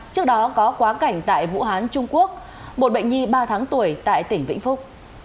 trước đó có quá cảnh tại vũ hán trung quốc một bệnh nhi ba tháng tuổi tại tỉnh vĩnh phúc